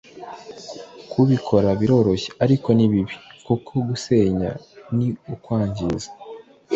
kubikora biroroshye ariko ni bibi, kuko gusenya ni ukwangiza